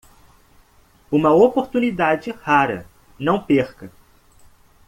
Uma oportunidade rara, não perca!